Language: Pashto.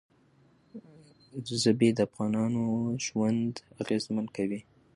ژبې د افغانانو ژوند اغېزمن کوي.